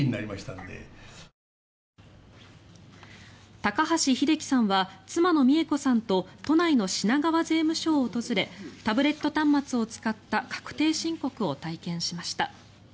高橋英樹さんは妻の美恵子さんと都内の品川税務署を訪れタブレット端末を使った確定申告を体験しました。